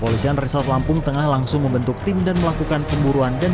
polisi yang result lampung tengah langsung membentuk tim dan melakukan pemburu dan